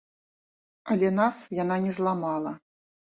Але нас яна не зламала.